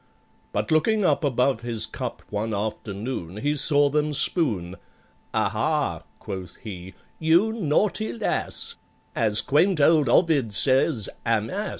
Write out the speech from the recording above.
But looking up above his cup One afternoon, he saw them spoon. "Aha!" quoth he, "you naughty lass! As quaint old OVID says, 'Amas!